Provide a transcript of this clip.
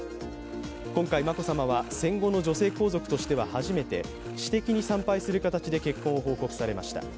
今回、眞子さまは戦後の女性皇族としては初めて私的に参拝する形で結婚を報告されました。